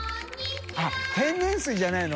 △天然水じゃないの？